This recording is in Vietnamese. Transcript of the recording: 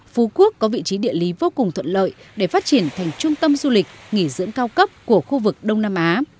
phú quốc có vị trí địa lý vô cùng thuận lợi để phát triển thành trung tâm du lịch nghỉ dưỡng cao cấp của khu vực đông nam á